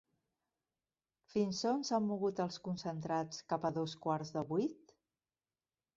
Fins on s'han mogut els concentrats cap a dos quarts de vuit?